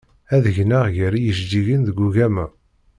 Ad gneɣ gar yijeǧǧigen deg ugama.